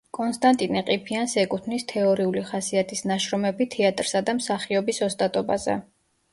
კონსტანტინე ყიფიანს ეკუთვნის თეორიული ხასიათის ნაშრომები თეატრსა და მსახიობის ოსტატობაზე.